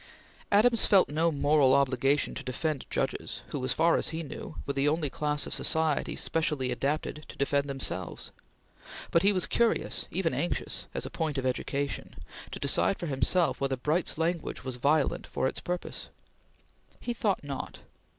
Adams felt no moral obligation to defend Judges, who, as far as he knew, were the only class of society specially adapted to defend themselves; but he was curious even anxious as a point of education, to decide for himself whether Bright's language was violent for its purpose. He thought not.